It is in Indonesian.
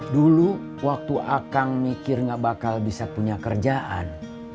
dulu waktu akang mikir gak bakal bisa punya kerjaan